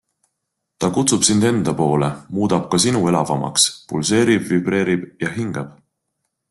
Ta kutsub sind enda poole, muudab ka sinu elavamaks, pulseerib-vibreerib ja hingab.